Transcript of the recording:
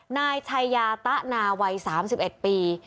นายชัยยาตะนาวัย๓๑ปี